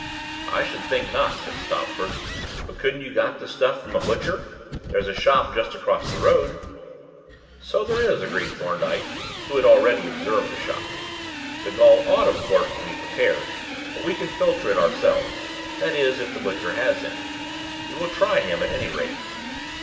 "I should think not," said Stopford. "But couldn't you got the stuff from a butcher? There's a shop just across the road." "So there is," agreed Thorndyke, who had already observed the shop. "The gall ought, of course, to be prepared, but we can filter it ourselves that is, if the butcher has any. We will try him, at any rate."